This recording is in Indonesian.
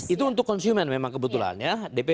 itu untuk konsumen memang kebetulan ya dpp